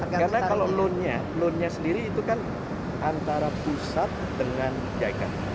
karena kalau loannya loannya sendiri itu kan antara pusat dengan jayakan